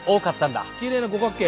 きれいな五角形。